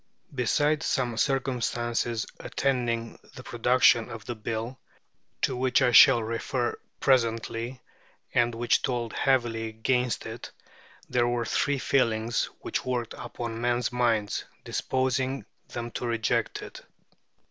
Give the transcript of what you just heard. Besides some circumstances attending the production of the Bill, to which I shall refer presently, and which told heavily against it, there were three feelings which worked upon men's minds, disposing them to reject it.